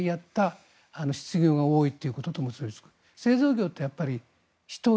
それが最初に言った失業が多いということと結びつく。